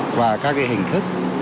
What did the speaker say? qua các cái hình thức